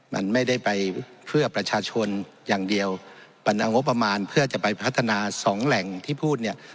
มันไม่ได้ไปเพื่อประชาชนอย่างเดียวปัญหางบประมาณเพื่อจะไปพัฒนาสองแหล่งที่พูดเนี่ย